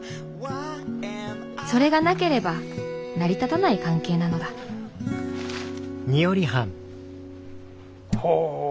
それがなければ成り立たない関係なのだほう。